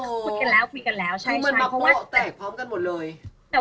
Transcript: คุยกันแล้วคุยกันแล้วใช่ใช่